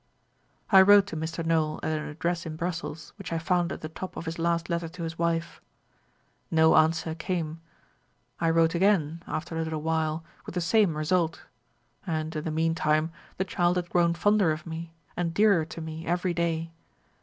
"I wrote to Mr. Nowell at an address in Brussels which I found at the top of his last letter to his wife. No answer came. I wrote again, after a little while, with the same result; and, in the mean time, the child had grown fonder of me and dearer to me every day.